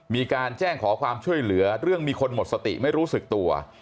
มีการแจ้งขอความช่วยเหลือเรื่องมีคนหมดสติไม่รู้สึกตัว